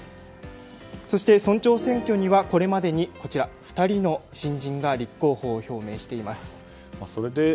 そして、村長選挙にはこれまでに２人の新人が立候補を表明しています。